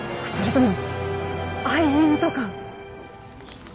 それとも愛人とか？